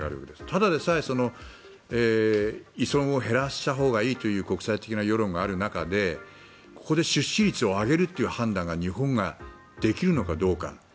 ただでさえ依存を減らしたほうがいいという国際的な世論がある中でここで出資率を上げるという判断を日本ができるのかどうか。